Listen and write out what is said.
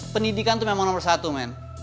pendidikan itu memang nomor satu men